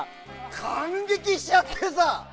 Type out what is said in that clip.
感激しちゃってさ！